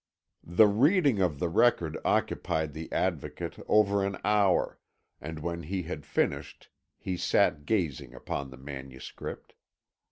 The reading of the record occupied the Advocate over an hour, and when he had finished, he sat gazing upon the manuscript.